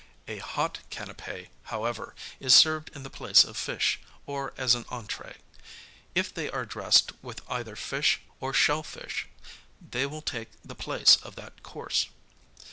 A hot canapķ, however, is served in the place of fish or as an entrķe. If they are dressed with either fish or shell fish they will take the place of that course.